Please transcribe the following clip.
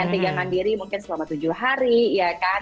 tiga mandiri mungkin selama tujuh hari ya kan